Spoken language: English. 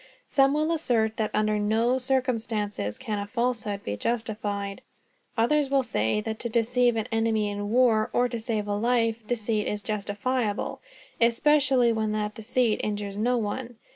Some will assert that under no circumstances can a falsehood be justified. Others will say that to deceive an enemy in war, or to save life, deceit is justifiable, especially when that deceit injures no one.